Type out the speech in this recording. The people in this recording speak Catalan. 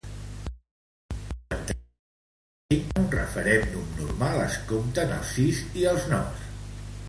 Cinquanta-cinc per cent En un referèndum normal es compten els sís i els nos.